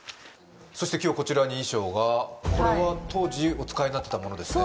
そして今日こちらに衣装がこれは当時お使いになってたものですね？